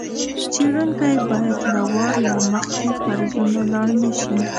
څېړونکی باید له وار له مخکې فرضونو لاړ نه شي.